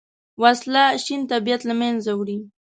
وسله شین طبیعت له منځه وړي